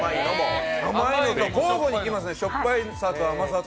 甘いのと交互にきますね、しょっぱいのと甘さと。